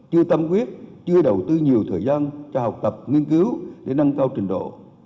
chưa tâm quyết chưa đầu tư nhiều thời gian cho học tập nghiên cứu để nâng cao trình độ